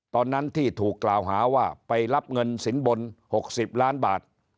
ตอนนั้นที่ถูกกล่าวหาว่าไปรับเงินสินบน๖๐ล้านบาท